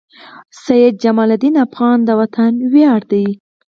سيد جمال الدین افغان د وطن وياړ دي.